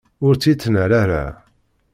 Ur tt-yettnal ara.